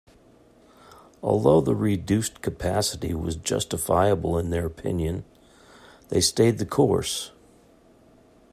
Although the reduced capacity was justifiable in their opinion, they stayed the course.